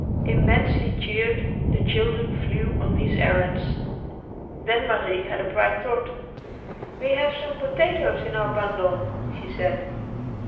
Immensely cheered, the children flew on these errands. Then Marie had a bright thought. "We have some potatoes in our bundle," she said.